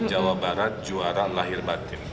jawa barat juara lahir batin